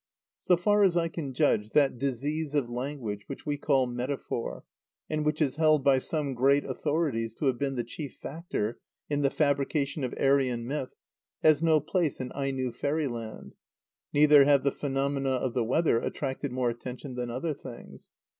So far as I can judge, that "disease of language" which we call metaphor, and which is held by some great authorities to have been the chief factor in the fabrication of Aryan myth, has no place in Aino fairy land; neither have the phenomena of the weather attracted more attention than other things.